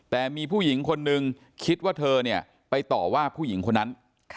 แต่มีผู้หญิงคนนึงคิดว่าเธอเนี่ยไปต่อว่าผู้หญิงคนนั้น